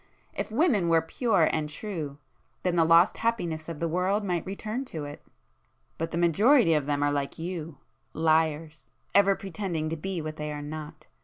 If women were pure and true, then the lost happiness of the world might return to it,—but the majority of them are like you, liars, ever pretending to be what they are not.